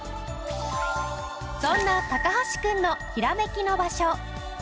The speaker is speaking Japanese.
そんな橋くんのヒラメキの場所。